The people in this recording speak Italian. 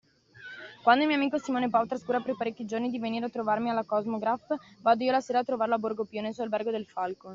Quando il mio amico Simone Pau trascura per parecchi giorni di venire a trovarmi alla Kosmograph, vado io la sera a trovarlo a Borgo Pio, nel suo Albergo del Falco.